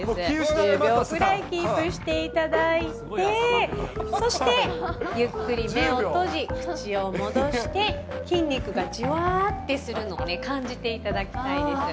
１０秒ぐらいキープしていただいて、そして、ゆっくり目を閉じ、口を戻して、筋肉がじわーってするのを感じていただきたいです。